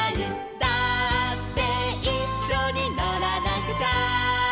「だっていっしょにのらなくちゃ」